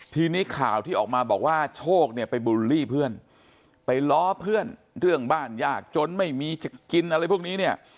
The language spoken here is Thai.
ทีนี้ข่าวที่ออกมาบอกว่าโชคเนี่ยไปบูลลี่เพื่อนไปล้อเพื่อนเรื่องบ้านยากจนไม่มีจะกินอะไรพวกนี้เนี่ย